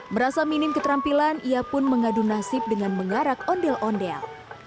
merasa minim keterampilan ia pun mengadu nasib dengan mengarak ondel ondel